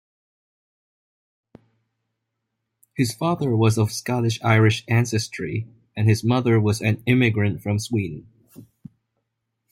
His father was of Scottish-Irish ancestry and his mother was an immigrant from Sweden.